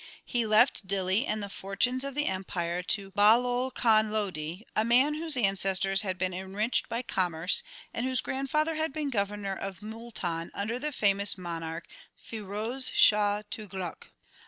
He left Dihli and the fortunes of empire to Bahlol Khan Lodi, a man whose ancestors had been enriched by commerce, and whose grandfather had been Governor of Multan under the famous monarch Firoz Shah Tughlak.